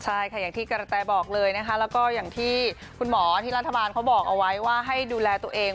ใช่ค่ะอย่างที่กระแตบอกเลยนะคะแล้วก็อย่างที่คุณหมอที่รัฐบาลเขาบอกเอาไว้ว่าให้ดูแลตัวเอง